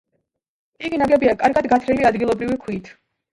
იგი ნაგებია კარგად გათლილი ადგილობრივი ქვით.